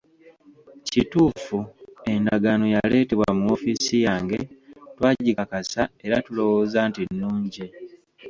Kituufu, endagaano yaleetebwa mu woofiisi yange, twagikakasa era tulowooza nti nnungi.